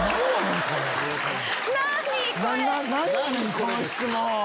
この質問！